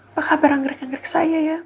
apa kabar anggrek anggrek saya ya